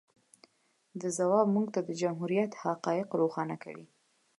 د ځواب موږ ته د جمهوریت حقایق روښانه کوي.